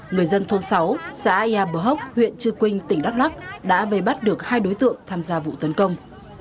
người dân thôn sáu xã ia bờ hốc huyện chư quynh tỉnh đắk lắc đã vây bắt được hai đối tượng tham gia vụ tấn công